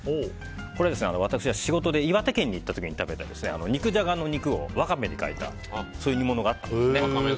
これ、私が仕事で岩手県に行った時に食べた肉じゃがの肉をワカメに変えたそういう煮物があったんですね。